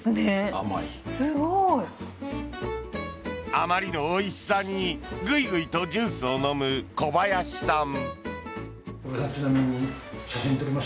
あまりのおいしさにグイグイとジュースを飲む古林さん。